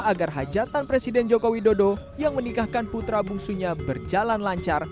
agar hajatan presiden joko widodo yang menikahkan putra bungsunya berjalan lancar